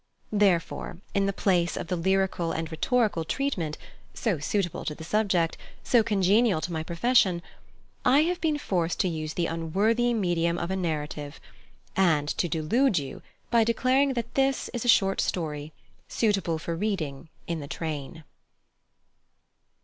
Therefore in the place of the lyrical and rhetorical treatment, so suitable to the subject, so congenial to my profession, I have been forced to use the unworthy medium of a narrative, and to delude you by declaring that this is a short story, suitable for reading in the train.